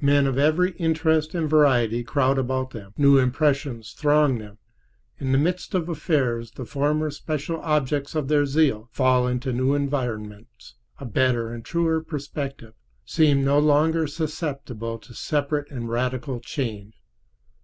Men of every interest and variety crowd about them; new impressions throng them; in the midst of affairs the former special objects of their zeal fall into new environments, a better and truer perspective; seem no longer so susceptible to separate and radical change.